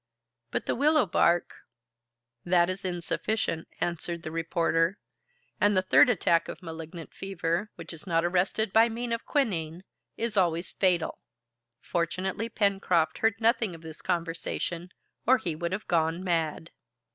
"But the willow bark?" "That is insufficient," answered the reporter, "and the third attack of a malignant fever, which is not arrested by means of quinine, is always fatal." Fortunately, Pencroft heard nothing of this conversation or he would have gone mad.